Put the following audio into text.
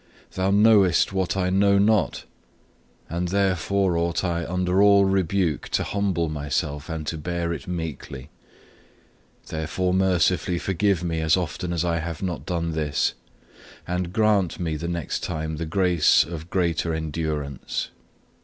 Thou knowest what I know not; and therefore ought I under all rebuke to humble myself, and to bear it meekly. Therefore mercifully forgive me as often as I have not done this, and grant me the next time the grace of greater endurance.